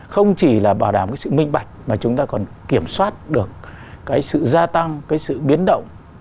không chỉ là bảo đảm cái sự minh bạch mà chúng ta còn kiểm soát được cái sự gia tăng cái sự biến động